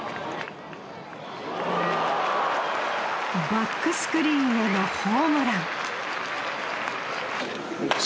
バックスクリーンへのホームラン。